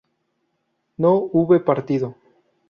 no hube partido